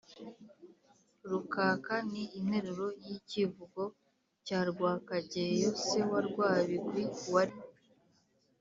rukaka: ni interuro y’ikivugo cya rwakageyo se wa rwabigwi wari